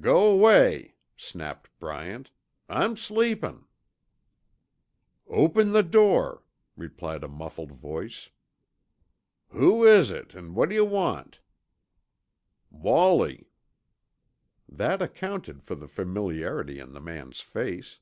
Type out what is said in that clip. "G'way," snapped Bryant, "I'm sleepin'." "Open the door," replied a muffled voice. "Who is it an' what d'ya want?" "Wallie." That accounted for the familiarity in the man's face.